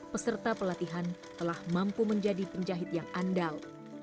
peserta pelatihan telah mampu menjadi penjahit yang andal